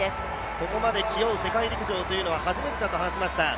ここまで気負う世界陸上というのは初めてだと話しました。